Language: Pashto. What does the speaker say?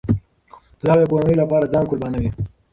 پلار د کورنۍ لپاره ځان قربانوي.